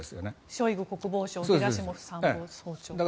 ショイグ国防相ゲラシモフ参謀総長。